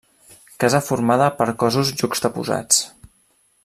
Casa formada per cossos juxtaposats.